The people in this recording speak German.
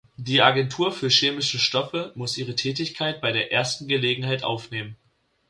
Die Agentur für chemische Stoffe muss ihre Tätigkeit bei der ersten Gelegenheit aufnehmen.